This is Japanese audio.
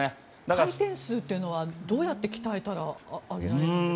回転数というのはどうやって鍛えたら上げられるんですか？